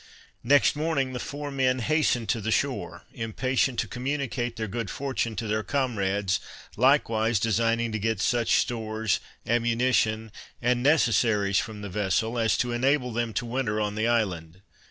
Next morning the four men hastened to the shore, impatient to communicate their good fortune to their comrades; likewise designing to get such stores, ammunition and necessaries from the vessel, as to enable them to winter on the island.